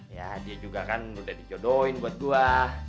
ya dia juga kan udah dijodohin buat gue